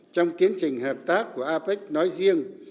trong kiến trình hợp tác của apec nói riêng